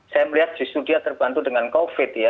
saya melihat di studio terbantu dengan covid ya